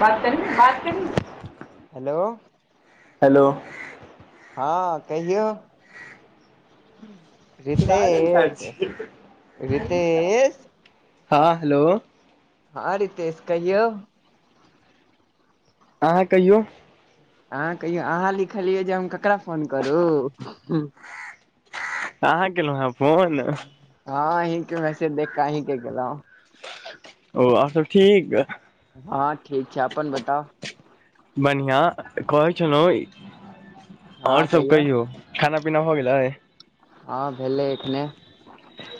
बात करहीन बात करहीन hello. Hello. हँ कहियौ रितेश रितेश [unintelligible] हँ हेलो। हँ रितेश कहियौ अहाँ कहियौ अहाँ कहियौ अहाँ लिखलियै जे हम ककरा फोन करू अहाँ केलौ हँं फोन हँं अही के मैसेज देख क अही के केलौ ओ आओर सब ठीक हँ ठीक छै अपन बताउ बनियाँ कहै छलौ आओर सब कहियौ खाना पीना भ गेलाय हँ भेलै एखने।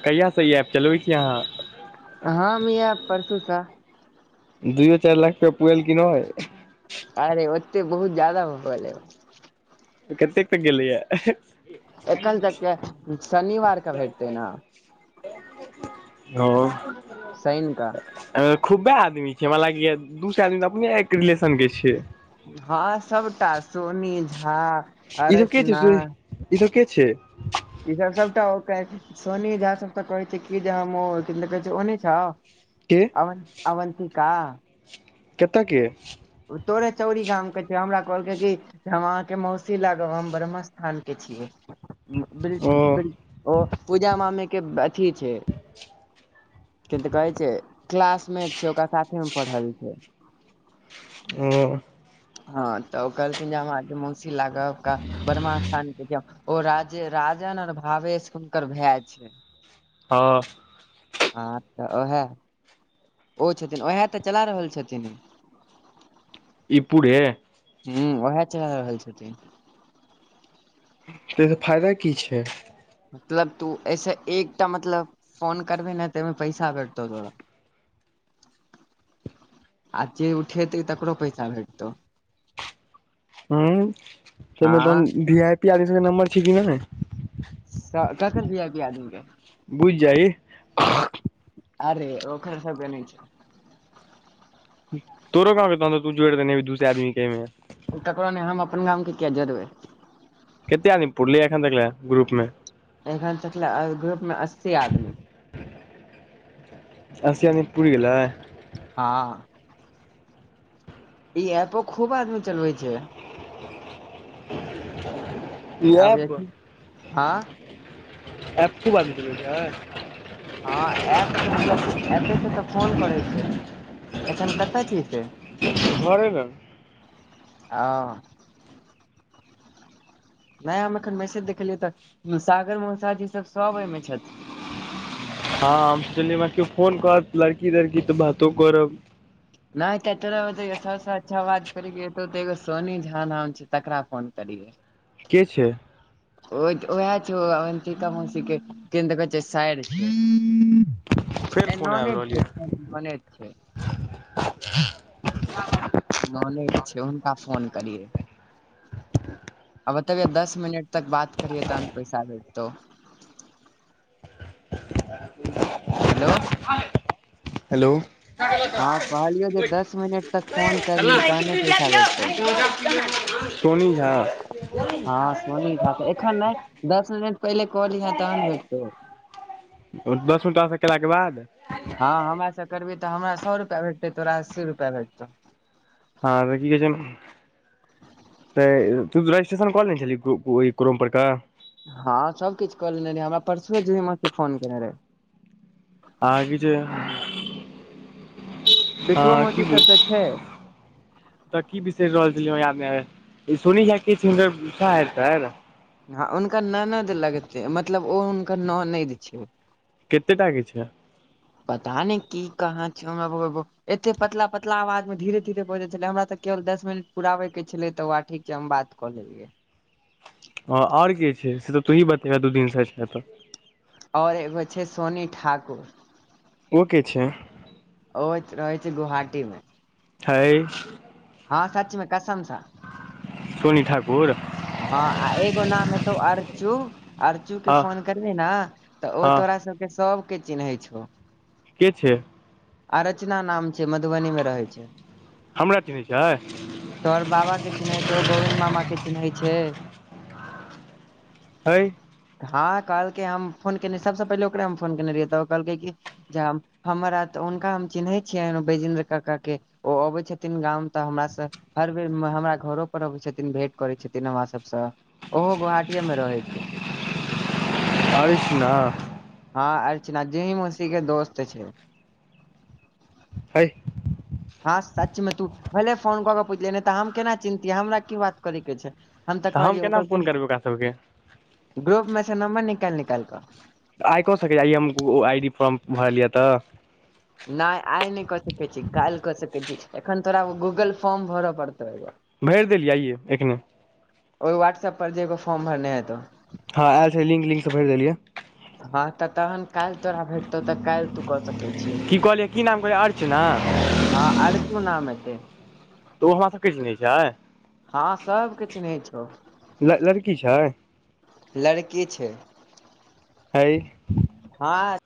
कहिया स ई ऐप चलबै छी अहाँ हम इएह परसु स दुइयो चारि लाख रुपया पुएल कि नय अरे ओते बहुत जा्यादा भऽ गेलय कतेक तक गेलैया। एखन तक के शनिवारक भेटतै न ह [unintelligible] शइन क। अईमे खूबा आदमी छियै हमरा लाग या दूसए आदमी त अपने एक रिलेशन के छियै हँ सबटा सोनी झा ई सब के छै अरचना से ई सब के छै ई सब सबटा होकर [unintelligible] सोनी झा सब त कहै छै कि कहै छै ओनै छाव के अवन अवंतिका केतय के ओ तोरे चौरी गामके छै हमरा कहलकै कि हम अहाँके मौसी लागब हम ब्रह्म स्थान के छियै ओ ओ पूजा मम्मी के अथी छै किदेन तऽ कहै छै क्लासमेट छै ओकरा साथे मे पढ़ल छै ओ हँ तऽ ओ कहलखिन जे हमरा आके मौसी लागब ब्रह्मा स्थानके जे ओ राजे राजन आर भावेश हुनकर भाय छै हँ हँ तऽ ओहाय ओ छथिन उएह तऽ चला रहल छथिन ई ई पुड़े हु उएह चला रहल छथिन तऽसँ फायदा की छै मतलब तू ऐसे एकटा मतलब फोन करबिही नऽ तऽ पैसा भेटतौ तोरा [inaudible] आ जे उठेतै तकरो पैसा भेटतौ हू तमे तन हँ भी आई पी आदम सबके नम्बर छै कि ने ककर वी आई पी आदमी के बुझ जाहि अरे ओखर सबके ने छैय तोरो गाँव के तहन तू जड़ देने हेबही अी दूसे आदमी के ऐमें ककरो नहि हम अपन गामके कििया जोरबै कतेक अदमी पुरलेया एखन तक ग्रुप मेमे एखन तकले ग्रुप मे अस्सी आदमी असि आदमी पुर गेलैय हँ ई एपो खूब आदमी चलवै छै ई आब एप हँ एप खुब आदमी चलबै छय हँ एप तऽ मतलब एपे से तऽ फोन करै छै एखन कतय छिहि से घरे में ओ नय हम एखन मैसेज देखलियै तऽ सागर मोसा जी सब सभ एहिहिमे छथिन हँ हम सुनि के फोन करत लड़की तड़की तऽ बातो करब नहि ते तोरा ब सबस अच्छा बात करो सोनी झा नाम छय तकरा फोन करईहेन [unintelligible] के छै ओ ओह छय अवंतिक मौसिके कि देन तऽ कहै छै साइर फेर छै फोन आबि ननेद रहल छै ये ननेद छै [unintelligible] नॉनेद छै हुनका फोन करियै आ बतबियए दस मिनट तक बात करियै तहन पैसा भेटतौ [unintelligible] हेलो [inaudible] हेलो हँ कहलियौ जे दस मिनट तक फोन करियै तहने पैसा भेटतौ सोनी झा हँ सोनी जा कऽ एखन नै दस मिनट पहिले कहलीहे तहन भेटतौ दसगो टास केलाक के बाद हँ हमराास करबही तऽ हमरा सौ रुपैआ भेटतै तोरा अस्सी रुपैआ भेटतौ हँ की कहै छै तऽ तू रजिस्ट्रेशन कऽ लेने छली क्रु क्रोम पर का हँ सभकिछ कऽ लेने रहहि हमरा परसुए जेमे फोन केने रहै आ कि छै बिटुओ हँ की मौसी सब तऽ छै तऽ की बिसैर रहल छलियै हमरा याद नै आइब रहल य तऽ सोनी झा के छियै हुनकर सैर तैर हँ हुनकर ननद लगतै मतलब ओ हुनकर ननैद छै कते टाे छै पता नै की कहाँ छै हमरा ब एते पतला पतला आवाज मे धीरे धीरे बजैत छलै हमरा तऽ केवल दस मिनट पुराबे के छलै तऽ वह ठीक छै हम बात कऽ लेलियै आओर के छै से तऽ तोही बतेबे दू दिनसँ छै तऽ आओर एगो छै सोनी ठाकुर ओ के छै ओ रहै छै गोहाटी मे हय [unintelligible] हँ सचमे कसमसँ सोनी ठाकुर हँ आ एगो नाम हेतौ अर्चु अर्चू के हँ फोन करबी ने तऽ ओ हँ तोरा सबके सभके चिन्है छौ के छै आरचना नाम छै मधुबनीमे रहै छै हमरा चिन्है छै तोहर बाबा चिन्है छौ गोविन्द मामा के चिन्है छै हय हँ कहलकै हम फोन केने सबसँ पहिले ओकरे हम फोन केने रहियै तऽ कहलकै कि ज हमर आ तऽ हुनका हम चिन्है छियै बैजेन्द्र काका के ओ अबै छथिन गाँव मे तऽ हमरा से हर बेर हमरा घरो पर अबै छथिन भेंट करै छथिन [inaudible] हमरा सबसँ ओहो गोहाटीेए मे रहै छै आयष्ना हँ अर्चना जूही मोशी के दोस्त छै हय हँ सचमे तू भले फोन कऽ के पुछलिये नै तऽ हम केना चिन्तियै हमरा की बात करे के छै हम तऽ कहलिय ओ केना कहल फोन करबै ओकरा सबके कै ग्रुप मे से नम्बर निकाइल निकाइल कऽ आइ कऽ सकैय एम आई डी फोर्म भरल यए तऽ नै आइ नै कऽ सकैत छी काइल कऽ सकै छी एखन तोरा गूगल फॉर्म भरऽ पड़तौ एगो भैर देलीयै आइयए एखने ओहि वहाट्सऐप पर जे एगो फॉर्म भरने हे तो हँ एल छै लिंक लिंक से भैर देलियै हँ तऽ तहन काइल तोरा भेटतौ तऽ काईल तू कऽ सकैत छी की कहलियै की नाम कहलीयै अर्चना हँ आरचू नाम हते तऽ ओ हमरा सब के नहि चिन्हे छैय हँ सबके चिन्है छौ ल लड़की छै लड़की छै हेय हँ